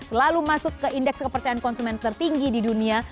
selalu masuk ke indeks kepercayaan konsumen tertinggi di dunia